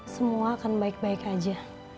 semua akan baik baik aja